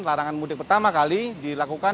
larangan mudik pertama kali dilakukan